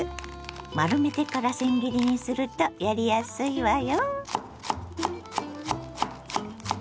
丸めてからせん切りにするとやりやすいわよ。